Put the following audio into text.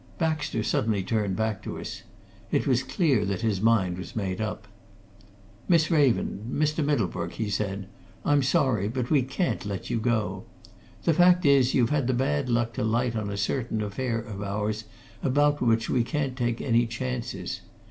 Baxter suddenly turned back to us. It was clear that his mind was made up. "Miss Raven Mr. Middlebrook," he said. "I'm sorry, but we can't let you go. The fact is, you've had the bad luck to light on a certain affair of ours about which we can't take any chances.